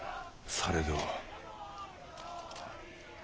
されど？